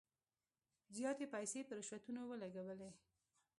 زیاتي پیسې په رشوتونو ولګولې.